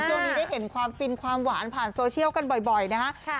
ช่วงนี้ได้เห็นความฟินความหวานผ่านโซเชียลกันบ่อยนะฮะ